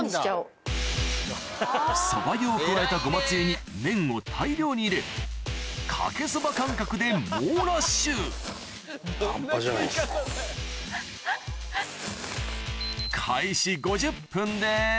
そば湯を加えたごまつゆに麺を大量に入れかけそば感覚で猛ラッシュ・半端じゃないですね・